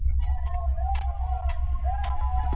ولې پکې ستا هغه خواږه لوظونه نه ښکاري